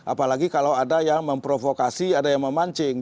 apalagi kalau ada yang memprovokasi ada yang memancing